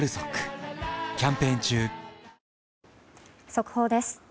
速報です。